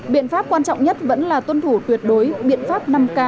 biện pháp quan trọng nhất vẫn là tuân thủ tuyệt đối biện pháp năm k